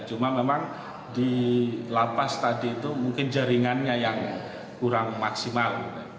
cuma memang di lapas tadi itu mungkin jaringannya yang kurang maksimal